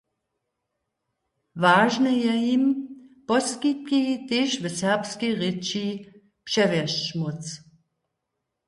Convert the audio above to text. Wažne je jim, poskitki tež w serbskej rěči přewjesć móc.